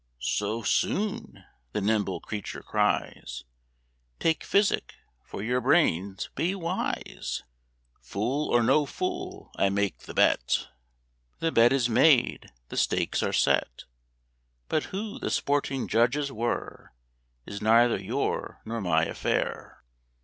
"So soon?" the nimble creature cries; "Take physic for your brains; be wise" "Fool or no fool, I make the bet." The bet is made, the stakes are set; But who the sporting judges were Is neither your nor my affair.